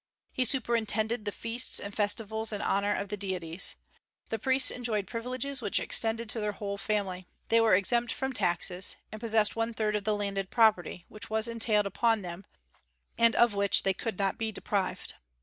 He superintended the feasts and festivals in honor of the deities. The priests enjoyed privileges which extended to their whole family. They were exempt from taxes, and possessed one third of the landed property, which was entailed upon them, and of which they could not be deprived.